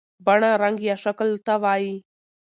بڼه رنګ یا شکل ته وایي.